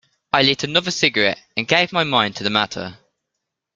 I lit another cigarette and gave my mind to the matter.